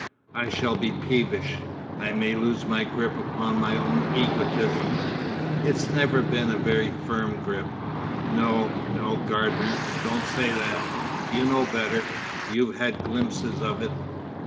I shall be peevish. I may lose my grip upon my own egotism. It's never been a very firm grip. No, no, Gardener, don't say that! You know better, you've had glimpses of it.